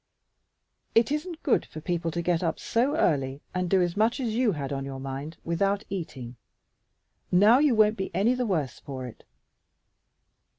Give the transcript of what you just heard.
It isn't good for people to get up so early and do as much as you had on your mind without eating. Now you won't be any the worse for it."